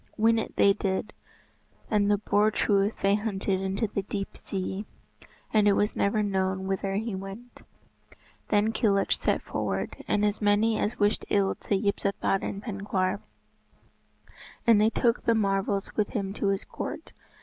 Win it they did, and the Boar Truith they hunted into the deep sea, and it was never known whither he went. Then Kilhuch set forward, and as many as wished ill to Yspathaden Penkawr. And they took the marvels with them to his court.